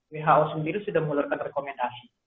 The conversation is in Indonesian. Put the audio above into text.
who sendiri sudah mengeluarkan rekomendasi